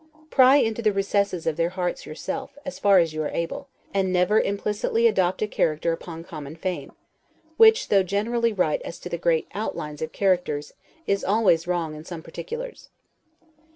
Pry into the recesses of their hearts yourself, as far as you are able, and never implicitly adopt a character upon common fame; which, though generally right as to the great outlines of characters, is always wrong in some particulars.